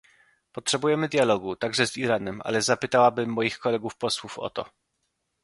Potrzebujemy dialogu, także z Iranem, ale zapytałabym moich kolegów posłów o to